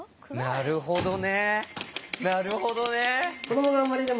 なるほどね！